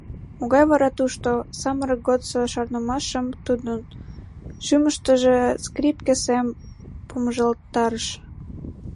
Могай вара тошто, самырык годсо шарнымашым тудын шӱмыштыжӧ скрипке сем помыжалтарыш?